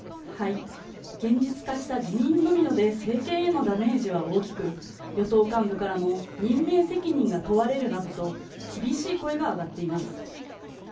現実化した辞任ドミノで政権へのダメージは大きく与党幹部からも任命責任が問われるなどと厳しい声が上がっています